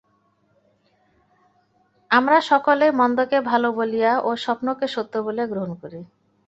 আমরা সকলেই মন্দকে ভাল বলিয়া ও স্বপ্নকে সত্য বলিয়া গ্রহণ করি।